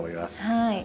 はい。